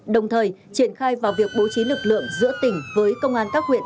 đồng thời triển khai vào việc bố trí lực lượng giữa tỉnh với công an các huyện